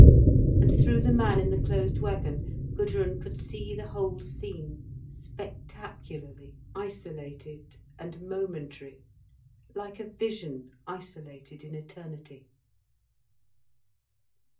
And, through the man in the closed wagon, Gudrun could see the whole scene spectacularly, isolated and momentary, like a vision isolated in eternity.